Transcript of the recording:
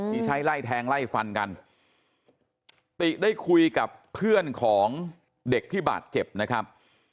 ที่ใช้ไล่แทงไล่ฟันกันติได้คุยกับเพื่อนของเด็กที่บาดเจ็บนะครับ